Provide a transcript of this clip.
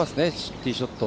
ティーショット。